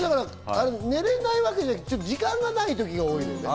寝られないわけじゃなくて時間がない時が多い。